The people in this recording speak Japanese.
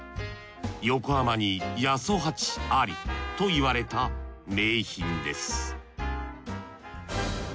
横浜に八十八ありといわれた名品です